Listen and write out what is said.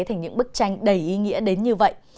thành những bức tranh đầy ý nghĩa đến như vậy